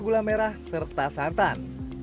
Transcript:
gula merah serta santan